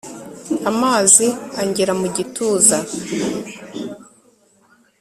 amazi angera mu gituza